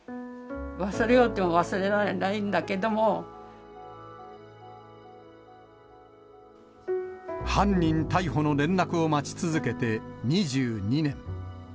忘れようとも忘れられないんだけ犯人逮捕の連絡を待ち続けて２２年。